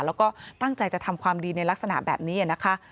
แล้วก็ตั้งใจจะทำความดีในลักษณะแบบนี้นะคะ